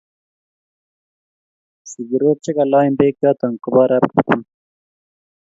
Sigiroik che kalaaen pek choto kobo arap Kiptum.